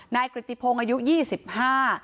นายกริติพงอายุ๒๕นะคะ